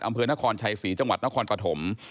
อำเภอนครชัยศรีจังหวัดนครปฐม